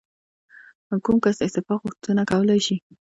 کوم کس د استعفا غوښتنه کولی شي؟